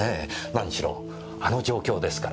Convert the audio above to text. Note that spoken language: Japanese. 何しろあの状況ですから。